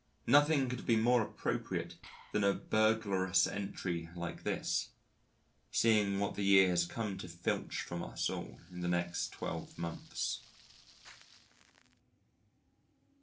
Nothing could have been more appropriate than a burglarious entry like this seeing what the year has come to filch from us all in the next 12 months.